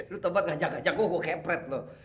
lo tobat ngajak ngajak gue gue kepret lo